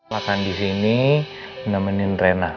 ramai banget suggested saya taruh rena